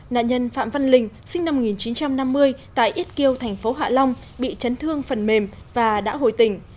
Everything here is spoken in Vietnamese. nạn nhân phạm văn linh sinh năm một nghìn chín trăm năm mươi tại êt kiêu tp hạ long bị chấn thương phần mềm và đã hồi tỉnh